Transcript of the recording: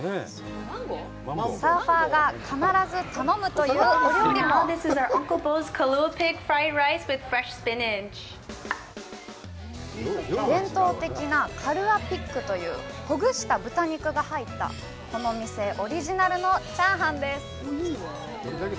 サーファーが必ず頼むというお料理も伝統的なカルア・ピッグというほぐした豚肉が入ったこの店オリジナルのチャーハンです